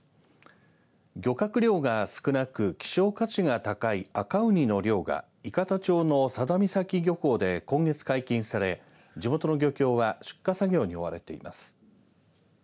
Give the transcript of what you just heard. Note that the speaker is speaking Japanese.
漁獲量が少なく希少価値が高い赤ウニの漁が伊方町の佐田岬漁港で今月解禁され地元の漁協は出荷作業に追われています。